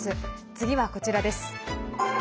次はこちらです。